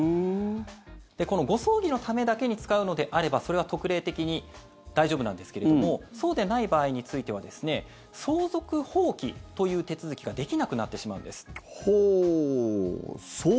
ご葬儀のためだけに使うのであればそれは特例的に大丈夫なんですけれどもそうでない場合については相続放棄という手続きができなくなってしまうんです。